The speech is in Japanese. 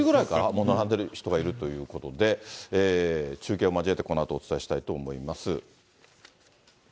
もう並んでる人がいるということで、中継を交えてこのあとお伝えしたいと思います。